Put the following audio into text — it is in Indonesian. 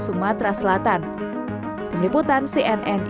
sumatera selatan pendeputan cnn indonesia